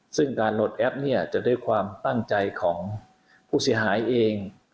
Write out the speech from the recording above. ซึ่งการโหลดแอปเนี่ยจะด้วยความตั้งใจของผู้เสียหายเอง